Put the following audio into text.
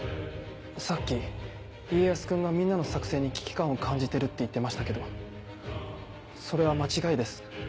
さっき家康君がみんなの作戦に危機感を感じてるって言ってましたけどそれは間違いです。